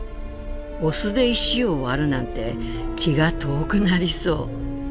お酢で石を割るなんて気が遠くなりそう。